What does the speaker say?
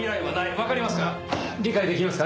わかりますか？